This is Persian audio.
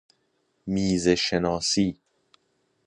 میزه شناسی